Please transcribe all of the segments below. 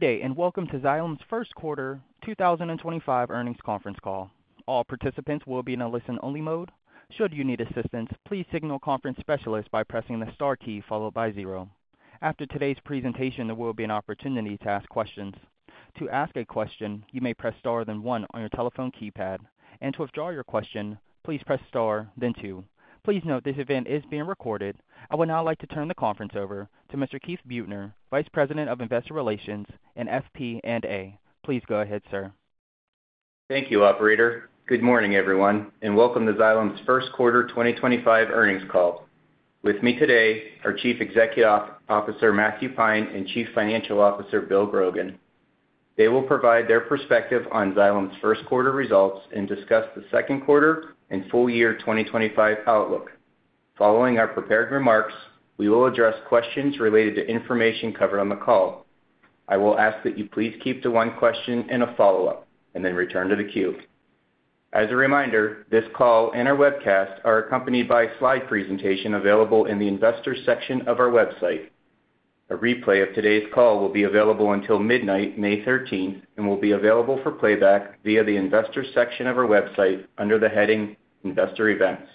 Good day, and welcome to Xylem's First Quarter 2025 Earnings Conference Call. All participants will be in a listen-only mode. Should you need assistance, please signal conference specialists by pressing the * key followed by zero. After today's presentation, there will be an opportunity to ask questions. To ask a question, you may press * then one on your telephone keypad. To withdraw your question, please press * then two. Please note this event is being recorded. I would now like to turn the conference over to Mr. Keith Buettner, Vice President of Investor Relations and FP&A. Please go ahead, sir. Thank you, Operator. Good morning, everyone, and welcome to Xylem's first quarter 2025 earnings call. With me today are Chief Executive Officer Matthew Pine and Chief Financial Officer Bill Grogan. They will provide their perspective on Xylem's first quarter results and discuss the second quarter and full year 2025 outlook. Following our prepared remarks, we will address questions related to information covered on the call. I will ask that you please keep to one question and a follow-up, and then return to the queue. As a reminder, this call and our webcast are accompanied by a slide presentation available in the investor section of our website. A replay of today's call will be available until midnight May 13th and will be available for playback via the investor section of our website under the heading Investor Events.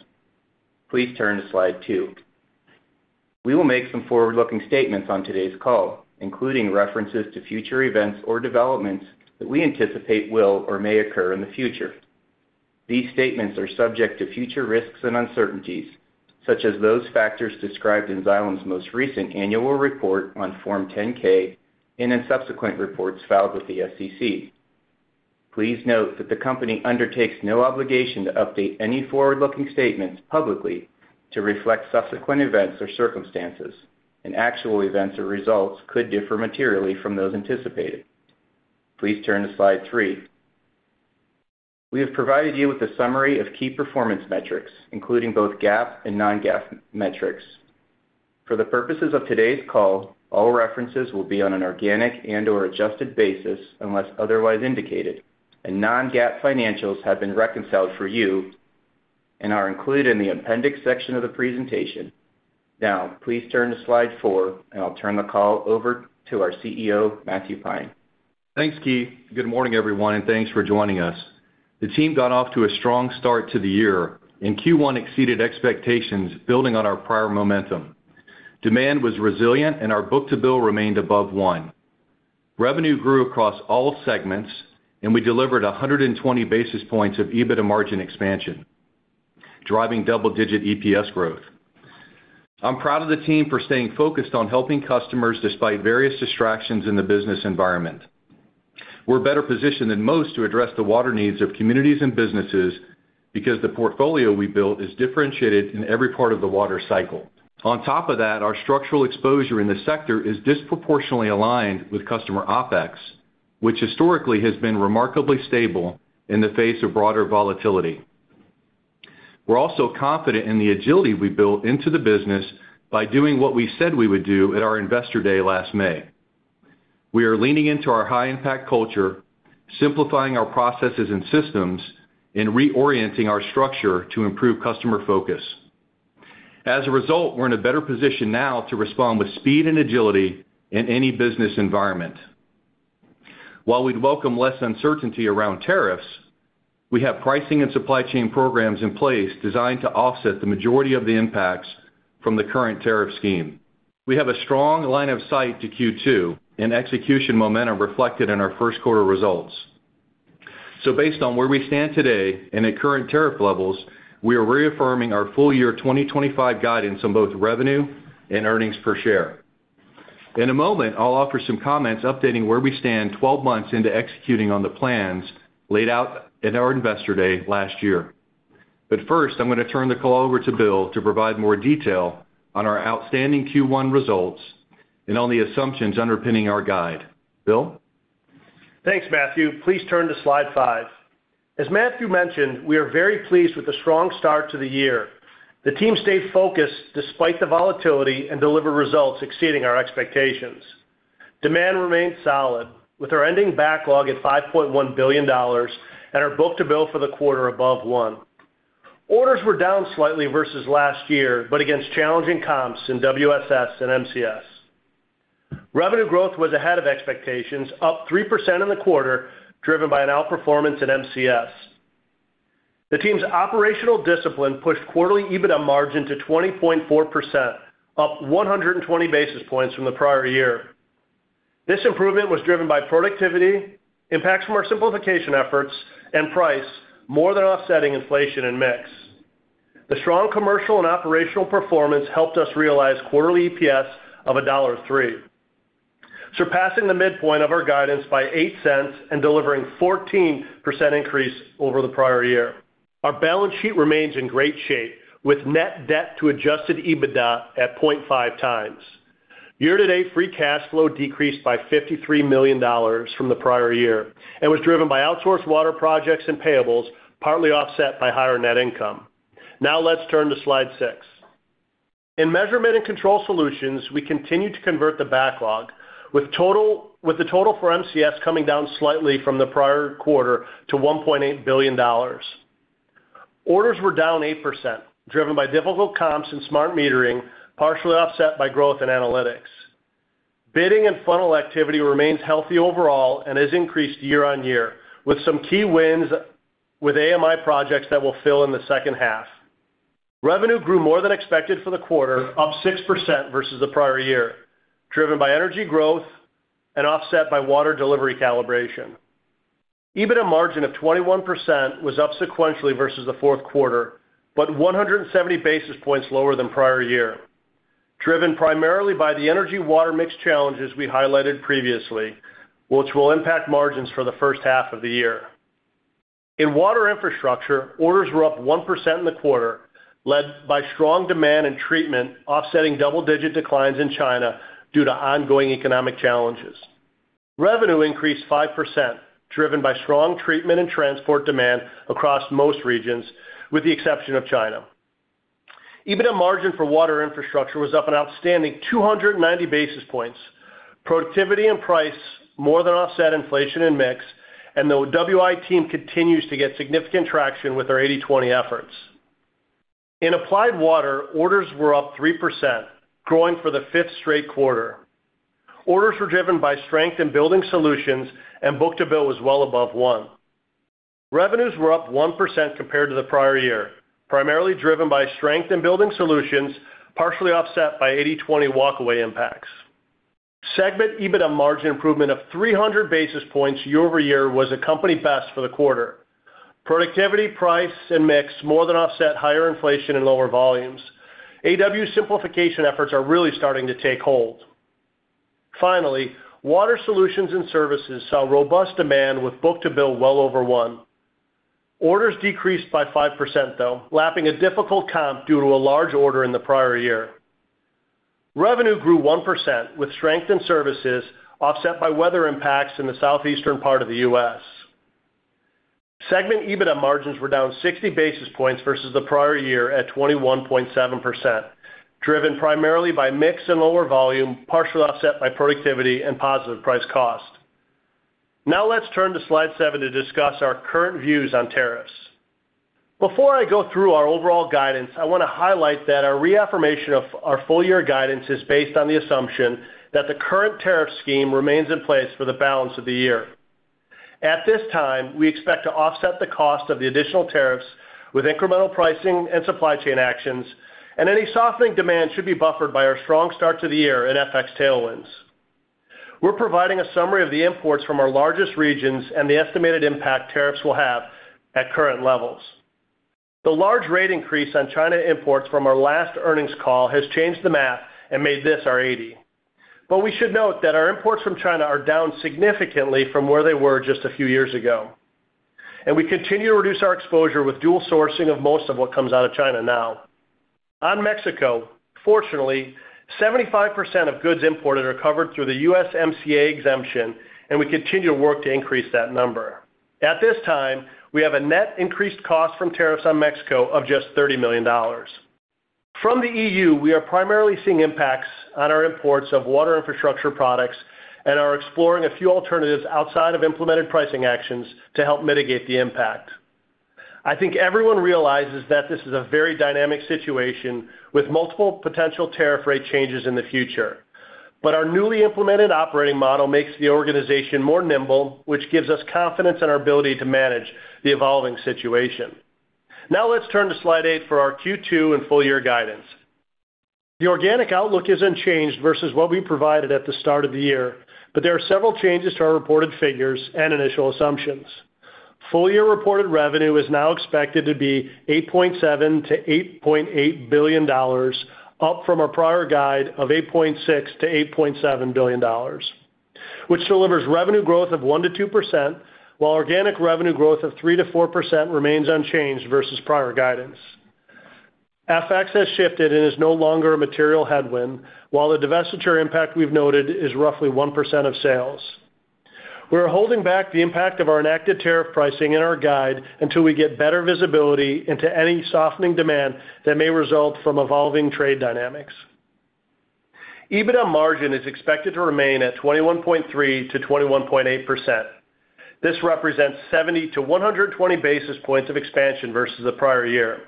Please turn to slide two. We will make some forward-looking statements on today's call, including references to future events or developments that we anticipate will or may occur in the future. These statements are subject to future risks and uncertainties, such as those factors described in Xylem's most recent annual report on Form 10-K and in subsequent reports filed with the SEC. Please note that the company undertakes no obligation to update any forward-looking statements publicly to reflect subsequent events or circumstances, and actual events or results could differ materially from those anticipated. Please turn to slide three. We have provided you with a summary of key performance metrics, including both GAAP and non-GAAP metrics. For the purposes of today's call, all references will be on an organic and/or adjusted basis unless otherwise indicated, and non-GAAP financials have been reconciled for you and are included in the appendix section of the presentation. Now, please turn to slide four, and I'll turn the call over to our CEO, Matthew Pine. Keith Buettner. Good morning, everyone, and thanks for joining us. The team got off to a strong start to the year, and Q1 exceeded expectations, building on our prior momentum. Demand was resilient, and our book-to-bill remained above one. Revenue grew across all segments, and we delivered 120 basis points of EBITDA margin expansion, driving double-digit EPS growth. I'm proud of the team for staying focused on helping customers despite various distractions in the business environment. We're better positioned than most to address the water needs of communities and businesses because the portfolio we built is differentiated in every part of the water cycle. On top of that, our structural exposure in the sector is disproportionately aligned with customer opex, which historically has been remarkably stable in the face of broader volatility. We're also confident in the agility we built into the business by doing what we said we would do at our Investor Day last May. We are leaning into our high-impact culture, simplifying our processes and systems, and reorienting our structure to improve customer focus. As a result, we're in a better position now to respond with speed and agility in any business environment. While we'd welcome less uncertainty around tariffs, we have pricing and supply chain programs in place designed to offset the majority of the impacts from the current tariff scheme. We have a strong line of sight to Q2 and execution momentum reflected in our first quarter results. Based on where we stand today and at current tariff levels, we are reaffirming our full year 2025 guidance on both revenue and earnings per share. In a moment, I'll offer some comments updating where we stand 12 months into executing on the plans laid out at our Investor Day last year. First, I'm going to turn the call over to Bill Grogan to provide more detail on our outstanding Q1 results and on the assumptions underpinning our guide. Bill Grogan? Thanks, Matthew Pine. Please turn to slide five. As Matthew Pine mentioned, we are very pleased with the strong start to the year. The team stayed focused despite the volatility and delivered results exceeding our expectations. Demand remained solid, with our ending backlog at $5.1 billion and our book-to-bill for the quarter above one. Orders were down slightly versus last year, but against challenging comps in WSS and MCS. Revenue growth was ahead of expectations, up 3% in the quarter, driven by an outperformance in MCS. The team's operational discipline pushed quarterly EBITDA margin to 20.4%, up 120 basis points from the prior year. This improvement was driven by productivity, impacts from our simplification efforts, and price, more than offsetting inflation and mix. The strong commercial and operational performance helped us realize quarterly EPS of $1.03, surpassing the midpoint of our guidance by 8 cents and delivering a 14% increase over the prior year. Our balance sheet remains in great shape, with net debt to adjusted EBITDA at 0.5 times. Year-to-date free cash flow decreased by $53 million from the prior year and was driven by outsourced water projects and payables, partly offset by higher net income. Now, let's turn to slide six. In Measurement & Control Solutions, we continued to convert the backlog, with the total for MCS coming down slightly from the prior quarter to $1.8 billion. Orders were down 8%, driven by difficult comps and smart metering, partially offset by growth in analytics. Bidding and funnel activity remains healthy overall and has increased year on year, with some key wins with AMI projects that will fill in the second half. Revenue grew more than expected for the quarter, up 6% versus the prior year, driven by energy growth and offset by water delivery calibration. EBITDA margin of 21% was up sequentially versus the fourth quarter, but 170 basis points lower than prior year, driven primarily by the energy-water mix challenges we highlighted previously, which will impact margins for the first half of the year. In Water Infrastructure, orders were up 1% in the quarter, led by strong demand and treatment, offsetting double-digit declines in China due to ongoing economic challenges. Revenue increased 5%, driven by strong treatment and transport demand across most regions, with the exception of China. EBITDA margin for Water Infrastructure was up an outstanding 290 basis points. Productivity and price more than offset inflation and mix, and the WI team continues to get significant traction with our 80/20 efforts. In Applied Water, orders were up 3%, growing for the fifth straight quarter. Orders were driven by strength in Building Solutions, and book-to-bill was well above one. Revenues were up 1% compared to the prior year, primarily driven by strength in Building Solutions, partially offset by 80/20 walk-away impacts. Segment EBITDA margin improvement of 300 basis points year over year was a company best for the quarter. Productivity, price, and mix more than offset higher inflation and lower volumes. AW simplification efforts are really starting to take hold. Finally, Water Solutions and Services saw robust demand with book-to-bill well over one. Orders decreased by 5%, though, lapping a difficult comp due to a large order in the prior year. Revenue grew 1%, with strength in Services offset by weather impacts in the southeastern part of the U.S. Segment EBITDA margins were down 60 basis points versus the prior year at 21.7%, driven primarily by mix and lower volume, partially offset by productivity and positive price cost. Now, let's turn to slide seven to discuss our current views on tariffs. Before I go through our overall guidance, I want to highlight that our reaffirmation of our full year guidance is based on the assumption that the current tariff scheme remains in place for the balance of the year. At this time, we expect to offset the cost of the additional tariffs with incremental pricing and supply chain actions, and any softening demand should be buffered by our strong start to the year and FX tailwinds. We're providing a summary of the imports from our largest regions and the estimated impact tariffs will have at current levels. The large rate increase on China imports from our last earnings call has changed the math and made this our 80. We should note that our imports from China are down significantly from where they were just a few years ago, and we continue to reduce our exposure with dual sourcing of most of what comes out of China now. On Mexico, fortunately, 75% of goods imported are covered through the USMCA exemption, and we continue to work to increase that number. At this time, we have a net increased cost from tariffs on Mexico of just $30 million. From the EU, we are primarily seeing impacts on our imports of water infrastructure products and are exploring a few alternatives outside of implemented pricing actions to help mitigate the impact. I think everyone realizes that this is a very dynamic situation with multiple potential tariff rate changes in the future, but our newly implemented operating model makes the organization more nimble, which gives us confidence in our ability to manage the evolving situation. Now, let's turn to slide eight for our Q2 and full year guidance. The organic outlook is unchanged versus what we provided at the start of the year, but there are several changes to our reported figures and initial assumptions. Full year reported revenue is now expected to be $8.7 billion-$8.8 billion, up from our prior guide of $8.6 billion-$8.7 billion, which delivers revenue growth of 1%-2%, while organic revenue growth of 3%-4% remains unchanged versus prior guidance. FX has shifted and is no longer a material headwind, while the divestiture impact we've noted is roughly 1% of sales. We're holding back the impact of our enacted tariff pricing in our guide until we get better visibility into any softening demand that may result from evolving trade dynamics. EBITDA margin is expected to remain at 21.3-21.8%. This represents 70-120 basis points of expansion versus the prior year,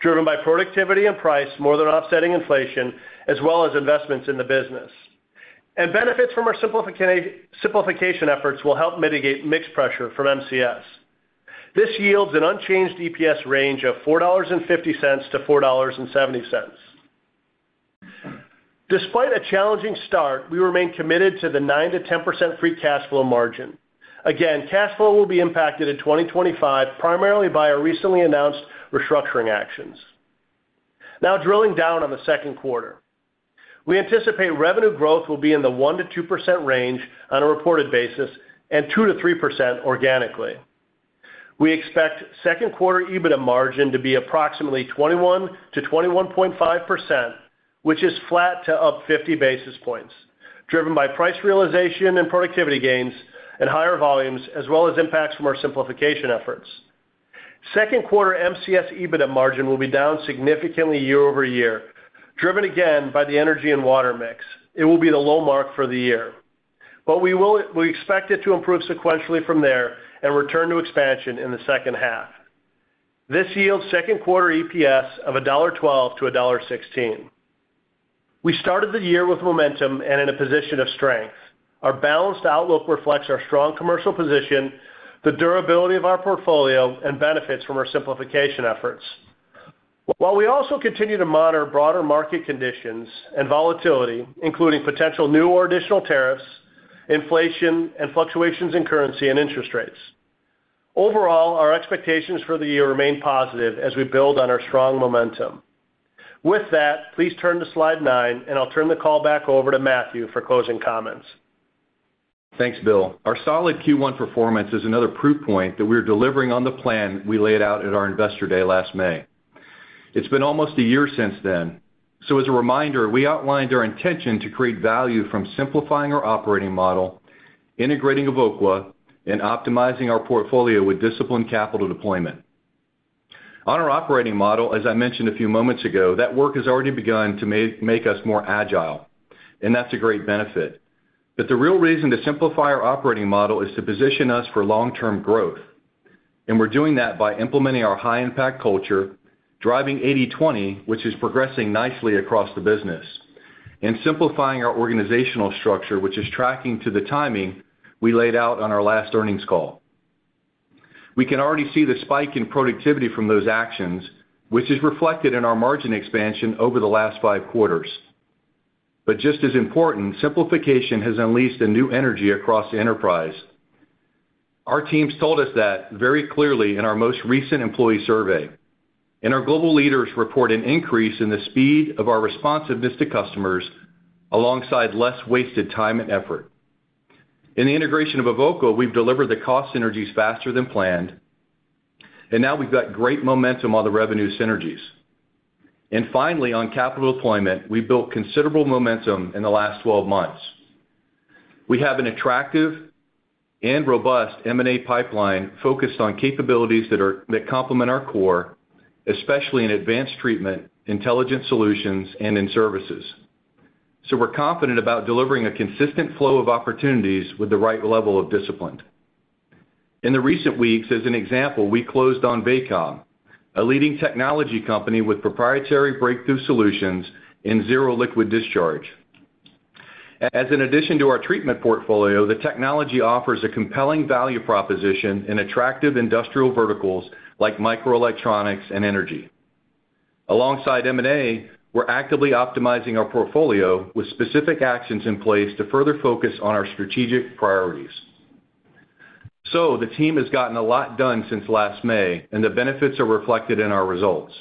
driven by productivity and price more than offsetting inflation, as well as investments in the business. Benefits from our simplification efforts will help mitigate mixed pressure from MCS. This yields an unchanged EPS range of $4.50-$4.70. Despite a challenging start, we remain committed to the 9-10% free cash flow margin. Again, cash flow will be impacted in 2025 primarily by our recently announced restructuring actions. Now, drilling down on the second quarter, we anticipate revenue growth will be in the 1-2% range on a reported basis and 2-3% organically. We expect second quarter EBITDA margin to be approximately 21-21.5%, which is flat to up 50 basis points, driven by price realization and productivity gains and higher volumes, as well as impacts from our simplification efforts. Second quarter MCS EBITDA margin will be down significantly year-over-year, driven again by the energy and water mix. It will be the low mark for the year, but we expect it to improve sequentially from there and return to expansion in the second half. This yields second quarter EPS of $1.12-$1.16. We started the year with momentum and in a position of strength. Our balanced outlook reflects our strong commercial position, the durability of our portfolio, and benefits from our simplification efforts. While we also continue to monitor broader market conditions and volatility, including potential new or additional tariffs, inflation, and fluctuations in currency and interest rates. Overall, our expectations for the year remain positive as we build on our strong momentum. With that, please turn to slide nine, and I'll turn the call back over to Matthew Pine for closing comments. Thanks, Bill Grogan. Our solid Q1 performance is another proof point that we are delivering on the plan we laid out at our Investor Day last May. It's been almost a year since then. As a reminder, we outlined our intention to create value from simplifying our operating model, integrating Evoqua, and optimizing our portfolio with disciplined capital deployment. On our operating model, as I mentioned a few moments ago, that work has already begun to make us more agile, and that's a great benefit. The real reason to simplify our operating model is to position us for long-term growth, and we're doing that by implementing our high-impact culture, driving 80/20, which is progressing nicely across the business, and simplifying our organizational structure, which is tracking to the timing we laid out on our last earnings call. We can already see the spike in productivity from those actions, which is reflected in our margin expansion over the last five quarters. Just as important, simplification has unleashed a new energy across the enterprise. Our teams told us that very clearly in our most recent employee survey. Our global leaders report an increase in the speed of our responsiveness to customers alongside less wasted time and effort. In the integration of Evoqua, we have delivered the cost synergies faster than planned, and now we have great momentum on the revenue synergies. Finally, on capital deployment, we built considerable momentum in the last 12 months. We have an attractive and robust M&A pipeline focused on capabilities that complement our core, especially in advanced treatment, intelligent solutions, and in services. We are confident about delivering a consistent flow of opportunities with the right level of discipline. In the recent weeks, as an example, we closed on Vacom, a leading technology company with proprietary breakthrough solutions and zero liquid discharge. As an addition to our treatment portfolio, the technology offers a compelling value proposition in attractive industrial verticals like microelectronics and energy. Alongside M&A, we're actively optimizing our portfolio with specific actions in place to further focus on our strategic priorities. The team has gotten a lot done since last May, and the benefits are reflected in our results.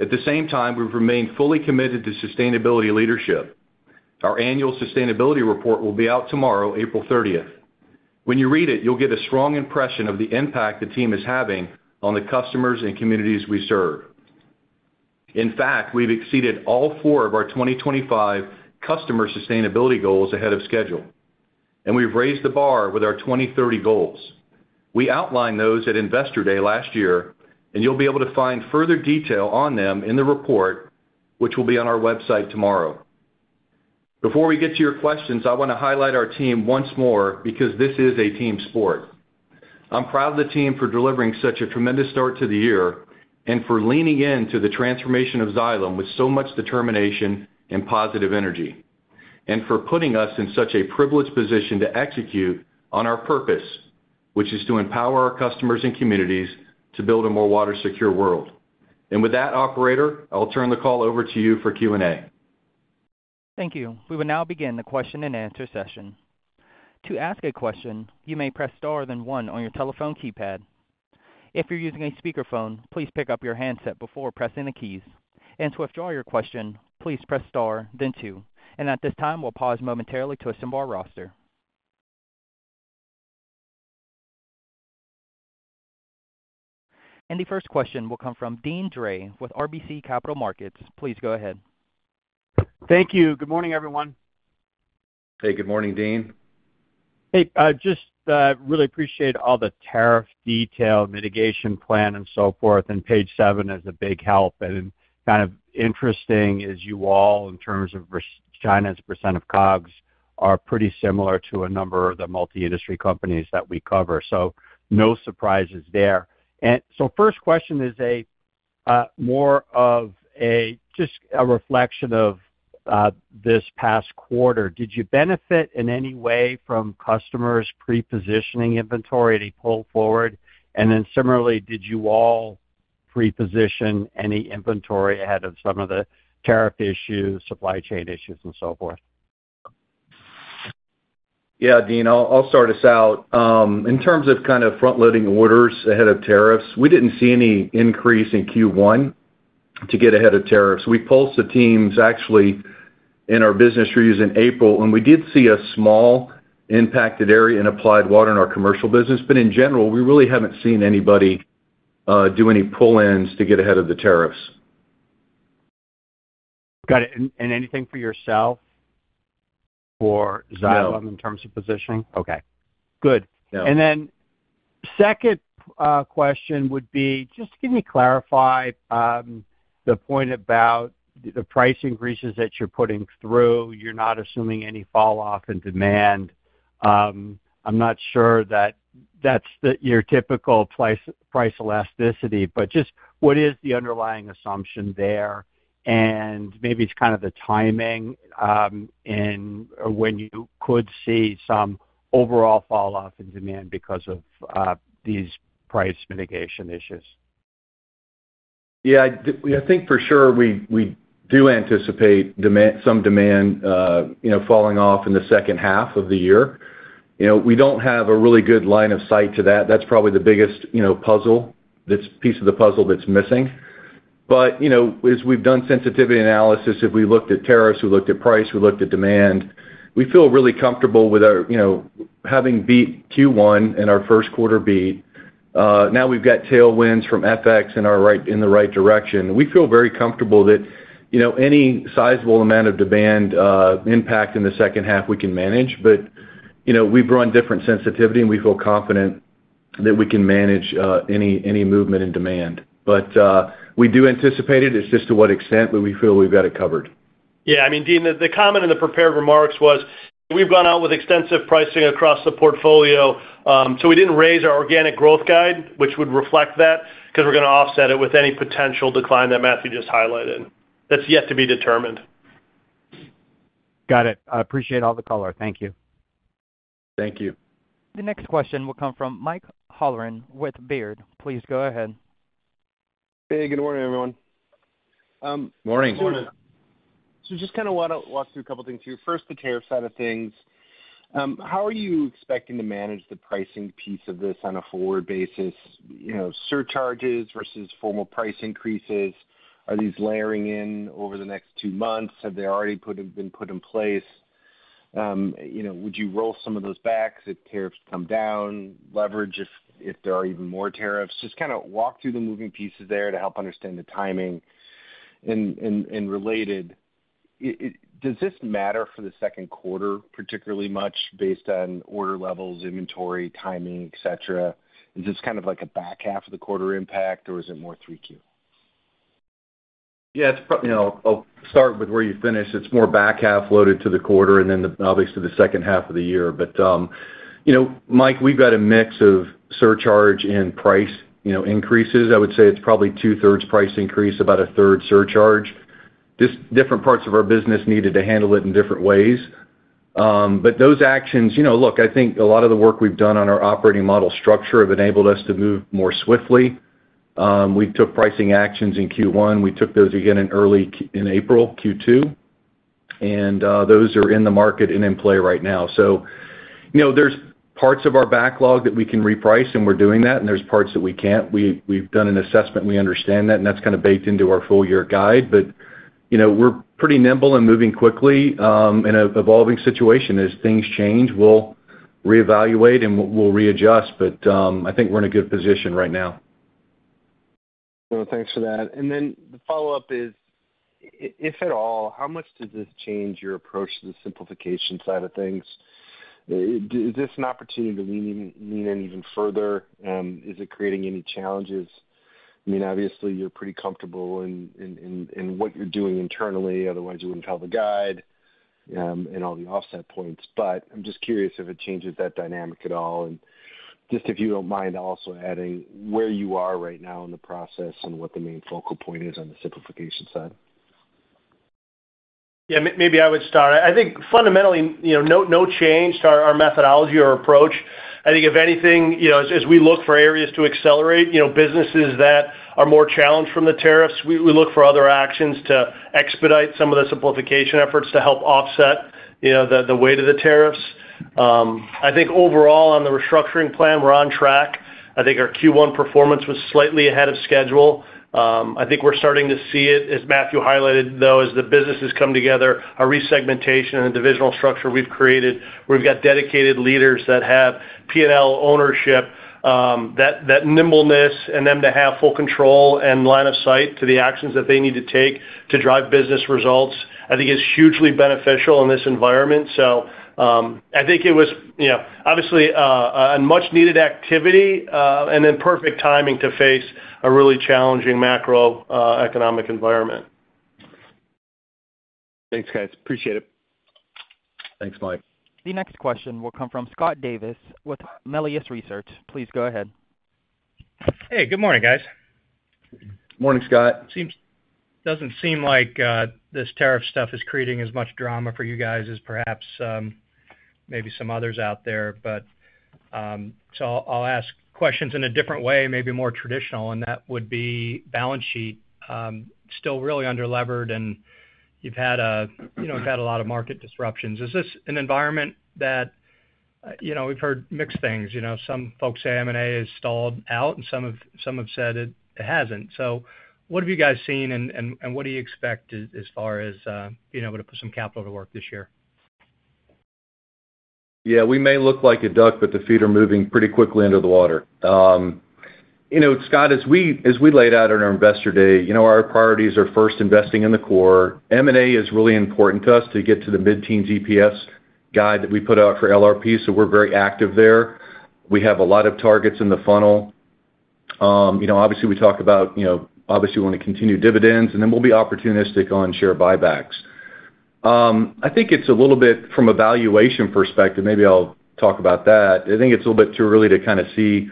At the same time, we've remained fully committed to sustainability leadership. Our annual sustainability report will be out tomorrow, April 30th. When you read it, you'll get a strong impression of the impact the team is having on the customers and communities we serve. In fact, we've exceeded all four of our 2025 customer sustainability goals ahead of schedule, and we've raised the bar with our 2030 goals. We outlined those at Investor Day last year, and you'll be able to find further detail on them in the report, which will be on our website tomorrow. Before we get to your questions, I want to highlight our team once more because this is a team sport. I'm proud of the team for delivering such a tremendous start to the year and for leaning into the transformation of Xylem with so much determination and positive energy, and for putting us in such a privileged position to execute on our purpose, which is to empower our customers and communities to build a more water-secure world. With that, Operator, I'll turn the call over to you for Q&A. Thank you. We will now begin the question-and-answer session. To ask a question, you may press star then one on your telephone keypad. If you're using a speakerphone, please pick up your handset before pressing the keys. To withdraw your question, please press star then two. At this time, we'll pause momentarily to assemble our roster. The first question will come from Deane Dray with RBC Capital Markets. Please go ahead. Thank you. Good morning, everyone. Hey, good morning, Deane Dray. Hey, just really appreciate all the tariff detail, mitigation plan, and so forth. Page seven is a big help. Kind of interesting is you all, in terms of China's percent of COGS, are pretty similar to a number of the multi-industry companies that we cover. No surprises there. First question is more of just a reflection of this past quarter. Did you benefit in any way from customers' pre-positioning inventory, any pull forward? Similarly, did you all pre-position any inventory ahead of some of the tariff issues, supply chain issues, and so forth? Yeah, Deane Dray, I'll start us out. In terms of kind of front-loading orders ahead of tariffs, we didn't see any increase in Q1 to get ahead of tariffs. We pulsed the teams, actually, in our business reviews in April, and we did see a small impacted area in Applied Water in our commercial business. In general, we really haven't seen anybody do any pull-ins to get ahead of the tariffs. Got it. Anything for yourself or Xylem in terms of positioning? No. Okay. Good. No. The second question would be just to clarify the point about the price increases that you're putting through. You're not assuming any falloff in demand. I'm not sure that that's your typical price elasticity, but just what is the underlying assumption there? Maybe it's kind of the timing when you could see some overall falloff in demand because of these price mitigation issues. Yeah, I think for sure we do anticipate some demand falling off in the second half of the year. We don't have a really good line of sight to that. That's probably the biggest piece of the puzzle that's missing. As we've done sensitivity analysis, if we looked at tariffs, we looked at price, we looked at demand, we feel really comfortable with having beat Q1 in our first quarter beat. Now we've got tailwinds from FX in the right direction. We feel very comfortable that any sizable amount of demand impact in the second half we can manage. We've run different sensitivity, and we feel confident that we can manage any movement in demand. We do anticipate it. It's just to what extent, but we feel we've got it covered. Yeah. I mean, Deane Dray, the comment in the prepared remarks was we've gone out with extensive pricing across the portfolio. We didn't raise our organic growth guide, which would reflect that, because we're going to offset it with any potential decline that Matthew Pine just highlighted. That's yet to be determined. Got it. I appreciate all the color. Thank you. Thank you. The next question will come from Mike Halloran with Baird. Please go ahead. Hey, good morning, everyone. Morning. Good morning. Just kind of want to walk through a couple of things here. First, the tariff side of things. How are you expecting to manage the pricing piece of this on a forward basis? Surcharges versus formal price increases, are these layering in over the next two months? Have they already been put in place? Would you roll some of those back if tariffs come down? Leverage if there are even more tariffs? Just kind of walk through the moving pieces there to help understand the timing and related. Does this matter for the second quarter particularly much based on order levels, inventory, timing, etc.? Is this kind of like a back half of the quarter impact, or is it more three Q? Yeah, I'll start with where you finished. It's more back half loaded to the quarter and then obviously the second half of the year. Mike, we've got a mix of surcharge and price increases. I would say it's probably two-thirds price increase, about a third surcharge. Just different parts of our business needed to handle it in different ways. Those actions, look, I think a lot of the work we've done on our operating model structure have enabled us to move more swiftly. We took pricing actions in Q1. We took those again early in April, Q2. Those are in the market and in play right now. There's parts of our backlog that we can reprice, and we're doing that. There's parts that we can't. We've done an assessment. We understand that, and that's kind of baked into our full year guide. We're pretty nimble and moving quickly in an evolving situation. As things change, we'll reevaluate and we'll readjust. I think we're in a good position right now. Thanks for that. The follow-up is, if at all, how much does this change your approach to the simplification side of things? Is this an opportunity to lean in even further? Is it creating any challenges? I mean, obviously, you're pretty comfortable in what you're doing internally. Otherwise, you wouldn't tell the guide and all the offset points. I'm just curious if it changes that dynamic at all. If you don't mind also adding where you are right now in the process and what the main focal point is on the simplification side. Yeah, maybe I would start. I think fundamentally, no change to our methodology or approach. I think if anything, as we look for areas to accelerate, businesses that are more challenged from the tariffs, we look for other actions to expedite some of the simplification efforts to help offset the weight of the tariffs. I think overall, on the restructuring plan, we're on track. I think our Q1 performance was slightly ahead of schedule. I think we're starting to see it, as Matthew Pine highlighted, though, as the business has come together, our resegmentation and the divisional structure we've created. We've got dedicated leaders that have P&L ownership, that nimbleness, and them to have full control and line of sight to the actions that they need to take to drive business results. I think it's hugely beneficial in this environment. I think it was obviously a much-needed activity and then perfect timing to face a really challenging macroeconomic environment. Thanks, guys. Appreciate it. Thanks, Mike. The next question will come from Scott Davis with Melius Research. Please go ahead. Hey, good morning, guys. Morning, Scott Davis. It doesn't seem like this tariff stuff is creating as much drama for you guys as perhaps maybe some others out there. I'll ask questions in a different way, maybe more traditional, and that would be balance sheet. Still really underlevered, and you've had a lot of market disruptions. Is this an environment that we've heard mixed things? Some folks say M&A has stalled out, and some have said it hasn't. What have you guys seen, and what do you expect as far as being able to put some capital to work this year? Yeah, we may look like a duck, but the feet are moving pretty quickly under the water. Scott Davis, as we laid out on our Investor Day, our priorities are first investing in the core. M&A is really important to us to get to the mid-teens EPS guide that we put out for LRP, so we're very active there. We have a lot of targets in the funnel. Obviously, we talk about obviously we want to continue dividends, and then we'll be opportunistic on share buybacks. I think it's a little bit from a valuation perspective. Maybe I'll talk about that. I think it's a little bit too early to kind of see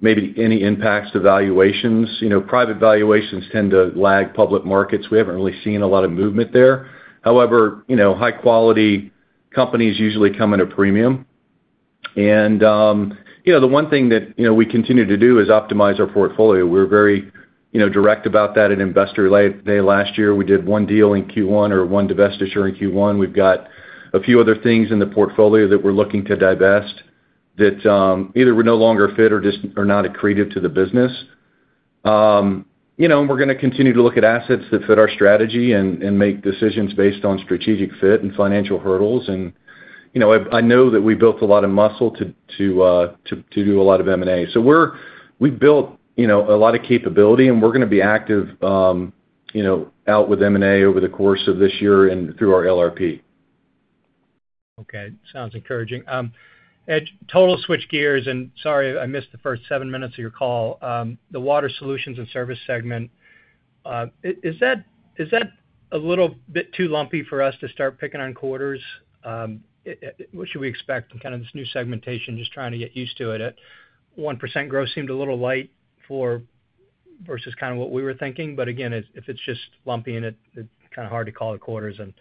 maybe any impacts to valuations. Private valuations tend to lag public markets. We haven't really seen a lot of movement there. However, high-quality companies usually come at a premium. The one thing that we continue to do is optimize our portfolio. We're very direct about that. At Investor Day last year, we did one deal in Q1 or one divestiture in Q1. We've got a few other things in the portfolio that we're looking to divest that either are no longer fit or not accretive to the business. We're going to continue to look at assets that fit our strategy and make decisions based on strategic fit and financial hurdles. I know that we built a lot of muscle to do a lot of M&A. We've built a lot of capability, and we're going to be active out with M&A over the course of this year and through our LRP. Okay. Sounds encouraging. Total switch gears, and sorry, I missed the first seven minutes of your call. The Water Solutions and Service segment, is that a little bit too lumpy for us to start picking on quarters? What should we expect in kind of this new segmentation? Just trying to get used to it. At 1% growth seemed a little light versus kind of what we were thinking. Again, if it's just lumpy in it, it's kind of hard to call it quarters, and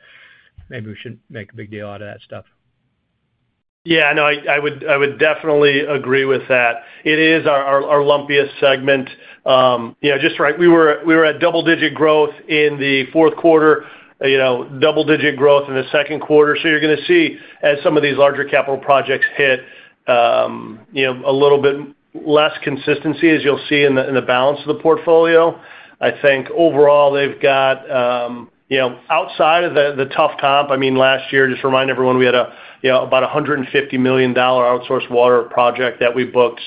maybe we shouldn't make a big deal out of that stuff. Yeah, no, I would definitely agree with that. It is our lumpiest segment. Just right, we were at double-digit growth in the fourth quarter, double-digit growth in the second quarter. You're going to see, as some of these larger capital projects hit, a little bit less consistency, as you'll see, in the balance of the portfolio. I think overall, they've got outside of the tough comp, I mean, last year, just remind everyone, we had about a $150 million outsourced water project that we booked.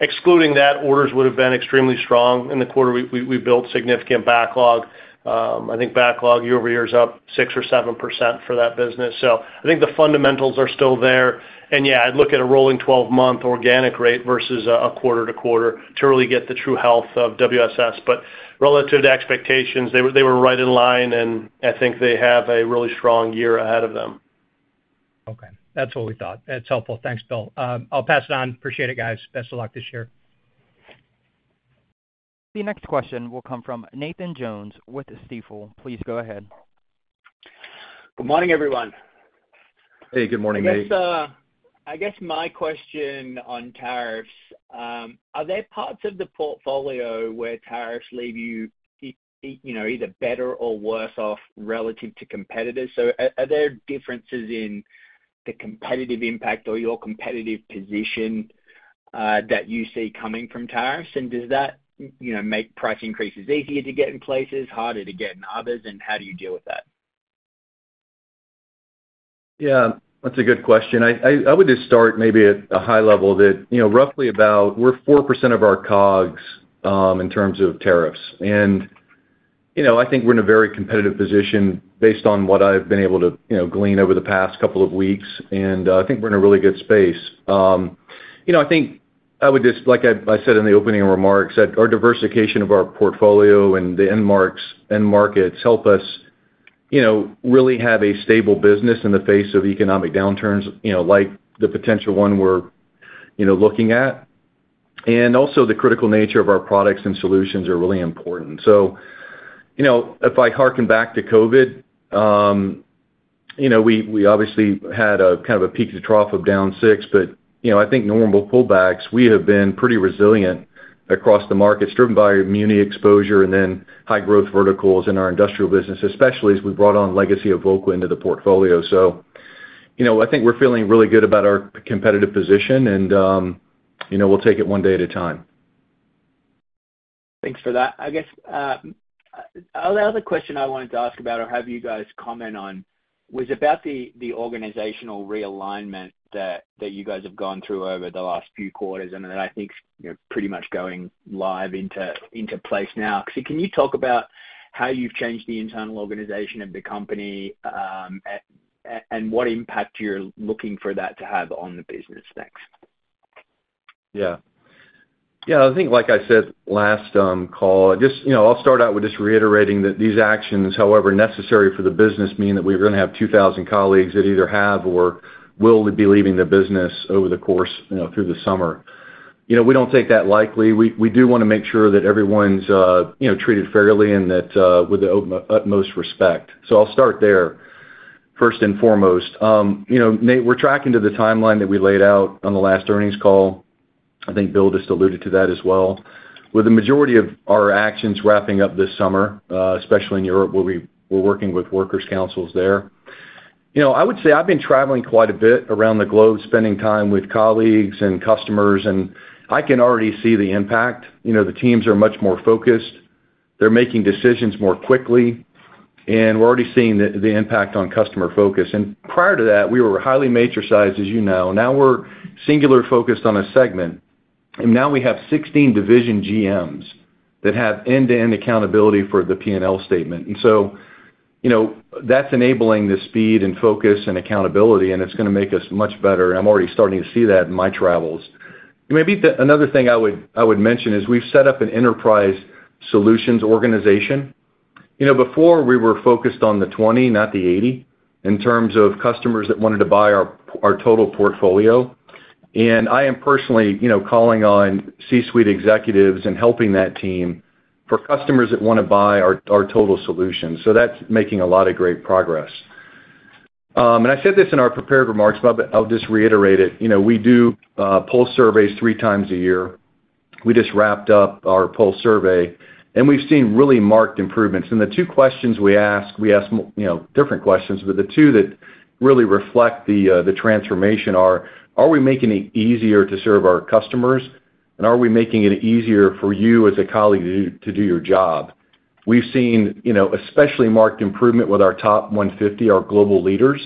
Excluding that, orders would have been extremely strong. In the quarter, we built significant backlog. I think backlog year over year is up 6% or 7% for that business. I think the fundamentals are still there. Yeah, I'd look at a rolling 12-month organic rate versus a quarter-to-quarter to really get the true health of WSS. Relative to expectations, they were right in line, and I think they have a really strong year ahead of them. Okay. That's what we thought. That's helpful. Thanks, Bill Grogan. I'll pass it on. Appreciate it, guys. Best of luck this year. The next question will come from Nathan Jones with Stifel. Please go ahead. Good morning, everyone. Hey, good morning, Nathan Jones. I guess my question on tariffs, are there parts of the portfolio where tariffs leave you either better or worse off relative to competitors? Are there differences in the competitive impact or your competitive position that you see coming from tariffs? Does that make price increases easier to get in places, harder to get in others, and how do you deal with that? Yeah, that's a good question. I would just start maybe at a high level that roughly about we're 4% of our COGS in terms of tariffs. I think we're in a very competitive position based on what I've been able to glean over the past couple of weeks. I think we're in a really good space. I think I would just, like I said in the opening remarks, that our diversification of our portfolio and the end markets help us really have a stable business in the face of economic downturns like the potential one we're looking at. Also, the critical nature of our products and solutions are really important. If I harken back to COVID, we obviously had kind of a peak to trough of down six, but I think normal pullbacks, we have been pretty resilient across the markets driven by our immunity exposure and then high-growth verticals in our industrial business, especially as we brought on legacy Evoqua into the portfolio. I think we're feeling really good about our competitive position, and we'll take it one day at a time. Thanks for that. I guess the other question I wanted to ask about or have you guys comment on was about the organizational realignment that you guys have gone through over the last few quarters, and then I think pretty much going live into place now. Can you talk about how you've changed the internal organization of the company and what impact you're looking for that to have on the business next? Yeah. Yeah, I think, like I said last call, I'll start out with just reiterating that these actions, however necessary for the business, mean that we're going to have 2,000 colleagues that either have or will be leaving the business over the course through the summer. We don't take that lightly. We do want to make sure that everyone's treated fairly and with the utmost respect. I'll start there first and foremost. We're tracking to the timeline that we laid out on the last earnings call. I think Bill Grogan just alluded to that as well. With the majority of our actions wrapping up this summer, especially in Europe where we're working with workers' councils there, I would say I've been traveling quite a bit around the globe, spending time with colleagues and customers, and I can already see the impact. The teams are much more focused. They're making decisions more quickly. We're already seeing the impact on customer focus. Prior to that, we were highly matrixized, as you know. Now we're singular focused on a segment. Now we have 16 division GMs that have end-to-end accountability for the P&L statement. That's enabling the speed and focus and accountability, and it's going to make us much better. I'm already starting to see that in my travels. Maybe another thing I would mention is we've set up an enterprise solutions organization. Before, we were focused on the 20, not the 80, in terms of customers that wanted to buy our total portfolio. I am personally calling on C-suite executives and helping that team for customers that want to buy our total solution. That's making a lot of great progress. I said this in our prepared remarks, but I'll just reiterate it. We do poll surveys three times a year. We just wrapped up our poll survey, and we've seen really marked improvements. The two questions we asked, we asked different questions, but the two that really reflect the transformation are, are we making it easier to serve our customers, and are we making it easier for you as a colleague to do your job? We've seen especially marked improvement with our top 150, our global leaders.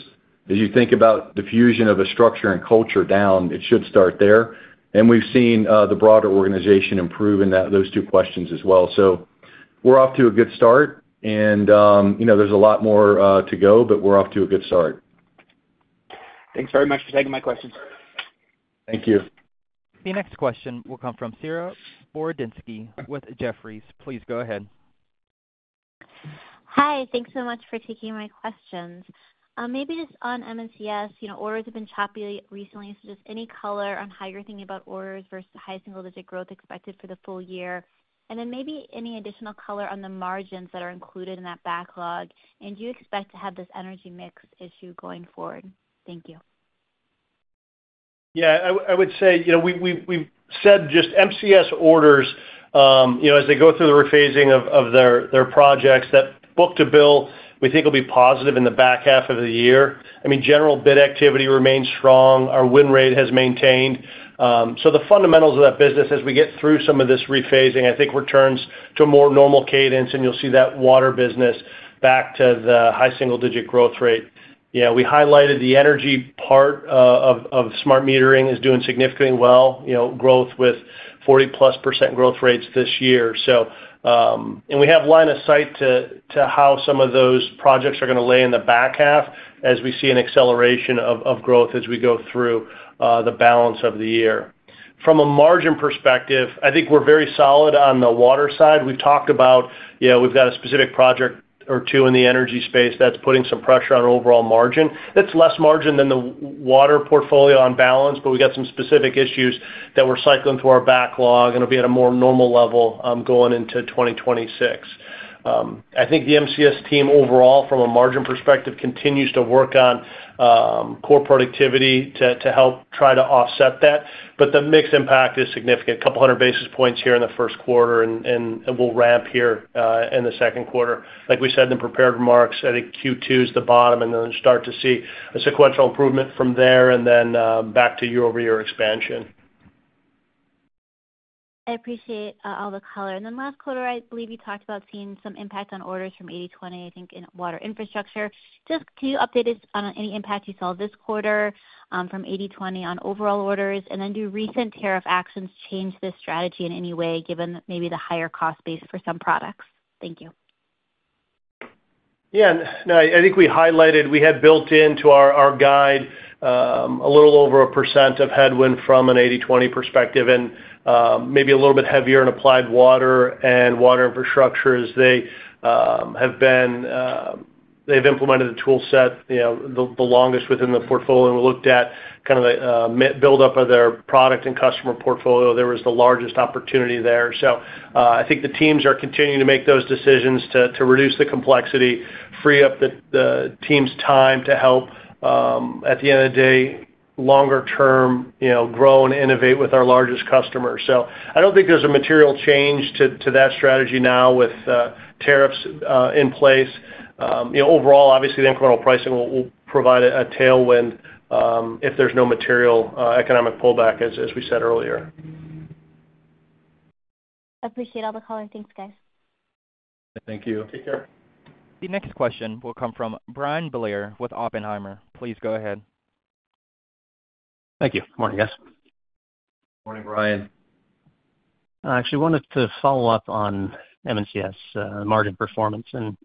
As you think about the fusion of a structure and culture down, it should start there. We've seen the broader organization improve in those two questions as well. We're off to a good start, and there's a lot more to go, but we're off to a good start. Thanks very much for taking my questions. Thank you. The next question will come from Saree Boroditsky with Jefferies. Please go ahead. Hi. Thanks so much for taking my questions. Maybe just on MCS, orders have been choppy recently, so just any color on how you're thinking about orders versus the high single-digit growth expected for the full year, and then maybe any additional color on the margins that are included in that backlog, and do you expect to have this energy mix issue going forward? Thank you. Yeah, I would say we've said just MCS orders, as they go through the rephasing of their projects, that book to bill, we think will be positive in the back half of the year. I mean, general bid activity remains strong. Our win rate has maintained. So the fundamentals of that business, as we get through some of this rephasing, I think returns to a more normal cadence, and you'll see that water business back to the high single-digit growth rate. Yeah, we highlighted the energy part of smart metering is doing significantly well, growth with 40-plus % growth rates this year. And we have line of sight to how some of those projects are going to lay in the back half as we see an acceleration of growth as we go through the balance of the year. From a margin perspective, I think we're very solid on the water side. We've talked about we've got a specific project or two in the energy space that's putting some pressure on overall margin. That's less margin than the water portfolio on balance, but we've got some specific issues that we're cycling through our backlog, and it'll be at a more normal level going into 2026. I think the MCS team overall, from a margin perspective, continues to work on core productivity to help try to offset that. The mixed impact is significant. A couple hundred basis points here in the first quarter, and we'll ramp here in the second quarter. Like we said in the prepared remarks, I think Q2 is the bottom, and then start to see a sequential improvement from there and then back to year-over-year expansion. I appreciate all the color. Then last quarter, I believe you talked about seeing some impact on orders from 80/20, I think, in Water Infrastructure. Just can you update us on any impact you saw this quarter from 80/20 on overall orders, and do recent tariff actions change this strategy in any way given maybe the higher cost base for some products? Thank you. Yeah. No, I think we highlighted we had built into our guide a little over a % of headwind from an 80/20 perspective and maybe a little bit heavier in Applied Water and Water Infrastructure as they have been they've implemented the toolset the longest within the portfolio. We looked at kind of the buildup of their product and customer portfolio. There was the largest opportunity there. I think the teams are continuing to make those decisions to reduce the complexity, free up the team's time to help, at the end of the day, longer-term grow and innovate with our largest customers. I don't think there's a material change to that strategy now with tariffs in place. Overall, obviously, the incremental pricing will provide a tailwind if there's no material economic pullback, as we said earlier. I appreciate all the calls. Thanks, guys. Thank you. Take care. The next question will come from Bryan Blair with Oppenheimer. Please go ahead. Thank you. Morning, guys. Morning, Bryan Blair. Actually, I wanted to follow up on MCS margin performance. And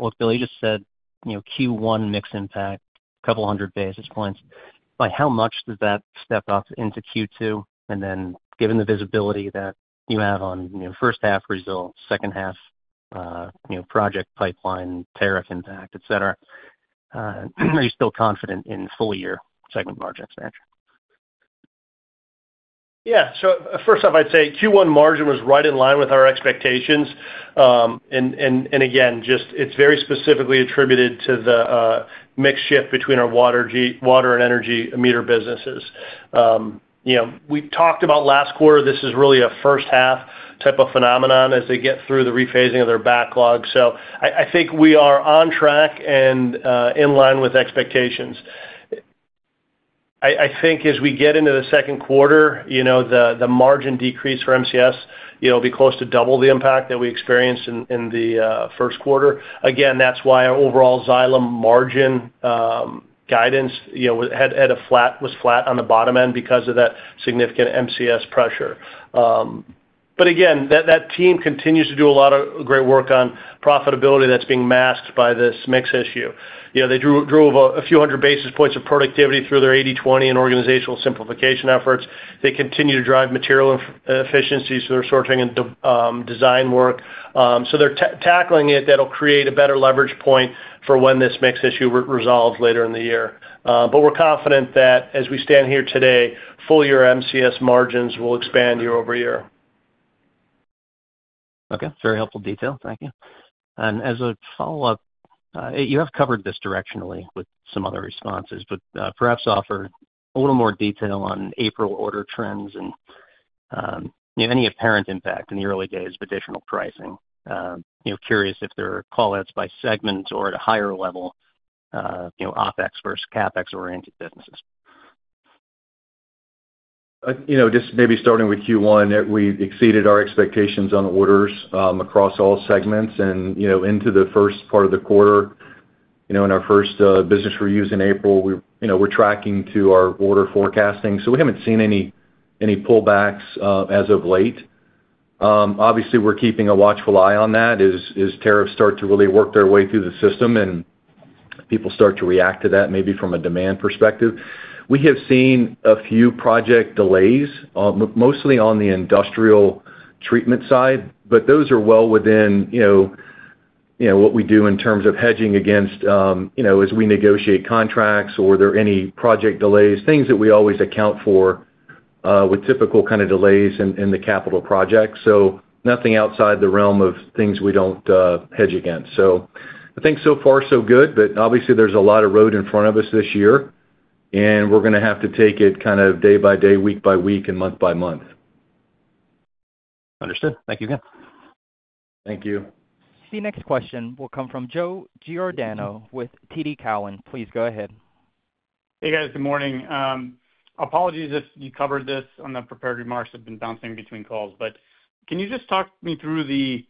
what Bill Grogan just said, Q1 mixed impact, a couple hundred basis points. By how much does that step up into Q2? And then given the visibility that you have on first-half results, second-half project pipeline, tariff impact, etc., are you still confident in full-year segment margin expansion? Yeah. First off, I'd say Q1 margin was right in line with our expectations. Again, it's very specifically attributed to the mix shift between our water and energy meter businesses. We talked about last quarter. This is really a first-half type of phenomenon as they get through the rephasing of their backlog. I think we are on track and in line with expectations. I think as we get into the second quarter, the margin decrease for MCS will be close to double the impact that we experienced in the first quarter. That's why our overall Xylem margin guidance was flat on the bottom end because of that significant MCS pressure. Again, that team continues to do a lot of great work on profitability that's being masked by this mix issue. They drove a few hundred basis points of productivity through their 80/20 and organizational simplification efforts. They continue to drive material efficiencies through their sourcing and design work. They are tackling it. That will create a better leverage point for when this mix issue resolves later in the year. We are confident that as we stand here today, full-year MCS margins will expand year-over-year. Okay. Very helpful detail. Thank you. As a follow-up, you have covered this directionally with some other responses, but perhaps offer a little more detail on April order trends and any apparent impact in the early days of additional pricing. Curious if there are callouts by segments or at a higher level, OPEX versus CAPEX-oriented businesses. Just maybe starting with Q1, we exceeded our expectations on orders across all segments. Into the first part of the quarter, in our first business reviews in April, we are tracking to our order forecasting. We have not seen any pullbacks as of late. Obviously, we are keeping a watchful eye on that as tariffs start to really work their way through the system and people start to react to that maybe from a demand perspective. We have seen a few project delays, mostly on the industrial treatment side, but those are well within what we do in terms of hedging against as we negotiate contracts or there are any project delays, things that we always account for with typical kind of delays in the capital projects. Nothing outside the realm of things we do not hedge against. I think so far, so good, but obviously, there's a lot of road in front of us this year, and we're going to have to take it kind of day by day, week by week, and month by month. Understood. Thank you again. Thank you. The next question will come from Joseph Giordano with TD Cowen. Please go ahead. Hey, guys. Good morning. Apologies if you covered this on the prepared remarks. I've been bouncing between calls. Can you just talk me through the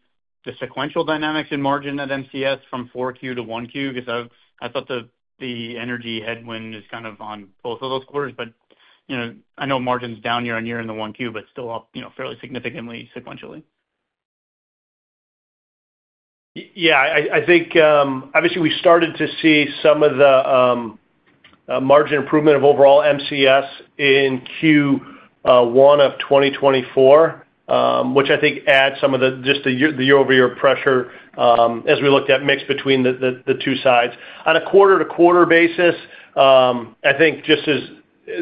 sequential dynamics in margin at MCS from 4Q to 1Q? I thought the energy headwind is kind of on both of those quarters, but I know margin's down year on year in the 1Q, but still up fairly significantly sequentially. Yeah. I think, obviously, we started to see some of the margin improvement of overall MCS in Q1 of 2024, which I think adds some of the just the year-over-year pressure as we looked at mix between the two sides. On a quarter-to-quarter basis, I think just as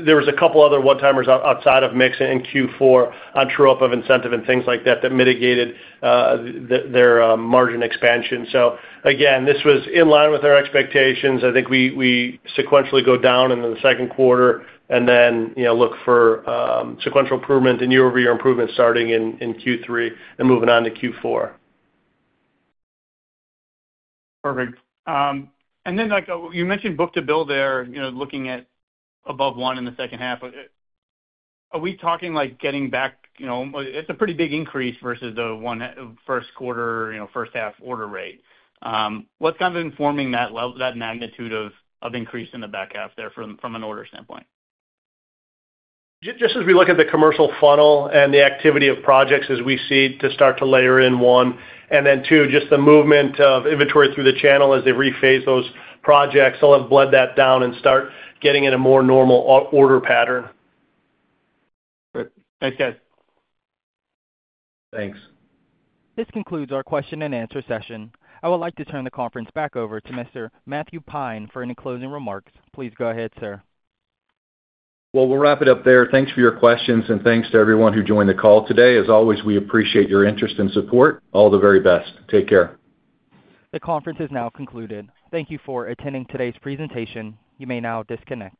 there was a couple other one-timers outside of mix in Q4 on true-up of incentive and things like that that mitigated their margin expansion. This was in line with our expectations. I think we sequentially go down in the second quarter and then look for sequential improvement and year-over-year improvement starting in Q3 and moving on to Q4. Perfect. You mentioned book-to-bill there, looking at above one in the second half. Are we talking getting back? It's a pretty big increase versus the first quarter, first-half order rate. What's kind of informing that magnitude of increase in the back half there from an order standpoint? Just as we look at the commercial funnel and the activity of projects as we see to start to layer in one. And then two, just the movement of inventory through the channel as they rephase those projects. They'll have bled that down and start getting in a more normal order pattern. Perfect. Thanks, guys. Thanks. This concludes our question-and-answer session. I would like to turn the conference back over to Mr. Matthew Pine for any closing remarks. Please go ahead, sir. We'll wrap it up there. Thanks for your questions, and thanks to everyone who joined the call today. As always, we appreciate your interest and support. All the very best. Take care. The conference is now concluded. Thank you for attending today's presentation. You may now disconnect.